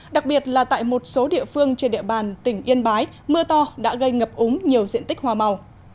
đặc biệt là tại một số địa phương trên địa bàn tỉnh yên bái mưa to đã gây ngập úng nhiều diện tích hoa màu